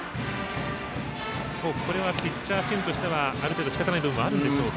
ピッチャー心理としてはある程度しかたない部分もあるんでしょうか。